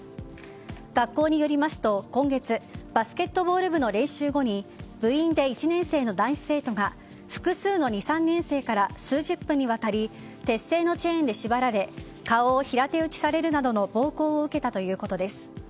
学校によりますと今月バスケットボール部の練習後に部員で１年生の男子生徒が複数の２、３年生から数十分にわたり鉄製のチェーンで縛られ顔を平手打ちされるなどの暴行を受けたということです。